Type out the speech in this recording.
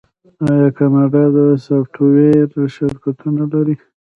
آیا کاناډا د سافټویر شرکتونه نلري؟